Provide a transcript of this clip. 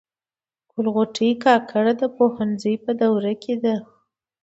ګل غوټۍ کاکړه د پوهنځي په دوره کي ده.